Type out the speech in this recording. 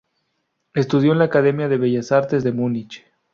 Estudió en la Academia de Bellas Artes de Múnich.